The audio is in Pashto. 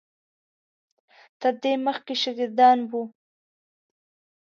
تر دې مخکې شاګردان وو.